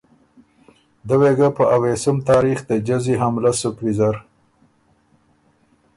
دۀ وې ګۀ په اوېسُم تاریخ ته جزی حملۀ سُک ویزر